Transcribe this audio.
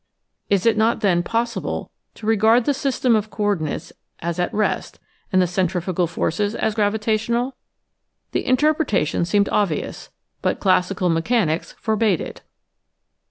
Is it not, then, possible to regard the system of coordinates as at rest, and the centrifugal forces as gravitational? The inter pretation seemed obvious, but classical mechanics for bade it.